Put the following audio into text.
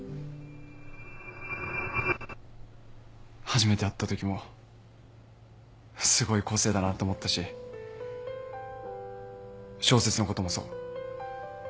初めて会ったときもすごい個性だなと思ったし小説のこともそう。